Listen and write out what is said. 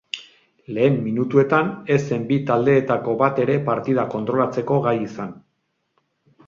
Lehen minutuetan ez zen bi taldeetako bat ere partida kontrolatzeko gai izan.